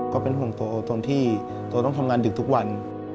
ก็เป็นห่วงโตตอนที่โตต้องทำงานดึกทุกวัน